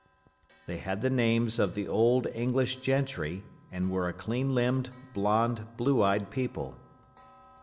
They had the names of the old English gentry, and were a clean limbed, blond, blue eyed people.